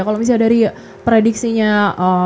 kalau misalnya dari prediksinya bung hendra bung bung